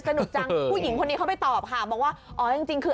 สนุกจังผู้หญิงคนนี้เขาไปตอบค่ะบอกว่าอ๋อจริงคือ